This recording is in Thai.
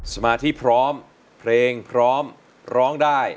สมาธิพร้อมเพลงพร้อมร้องได้